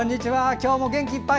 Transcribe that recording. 今日も元気いっぱい。